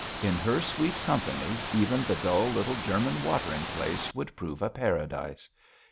In her sweet company even the dull little German watering place would prove a Paradise.